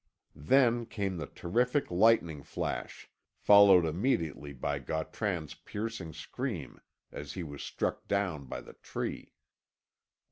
Then came the terrific lightning flash, followed immediately by Gautran's piercing scream as he was struck down by the tree.